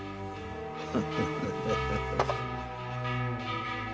ハハハハ。